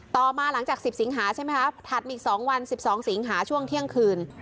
ต่อมาหลังจาก๑๐สิงหาใช่ไหมคะถัดมาอีก๒วัน๑๒สิงหาช่วงเที่ยงคืน